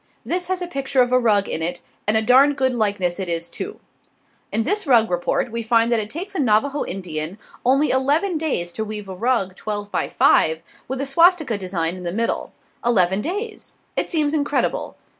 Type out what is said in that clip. This has a picture of a rug in it, and a darned good likeness it is, too. In this rug report we find that it takes a Navajo Indian only eleven days to weave a rug 12 x 5, with a swastika design in the middle. Eleven days. It seems incredible.